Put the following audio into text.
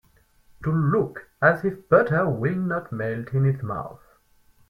To look as if butter will not melt in his mouth.